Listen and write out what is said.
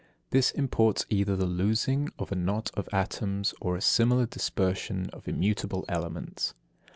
This imports either the loosing of a knot of atoms, or a similar dispersion of immutable elements.